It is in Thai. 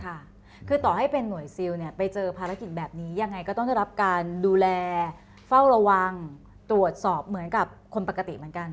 ค่ะคือต่อให้เป็นหน่วยซิลเนี่ยไปเจอภารกิจแบบนี้ยังไงก็ต้องได้รับการดูแลเฝ้าระวังตรวจสอบเหมือนกับคนปกติเหมือนกัน